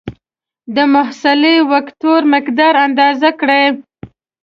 د محصله وکتور مقدار اندازه کړئ.